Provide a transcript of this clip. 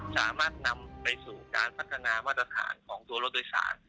สามารถนำไปสู่การพัฒนามาตรฐานของตัวรถโดยสาร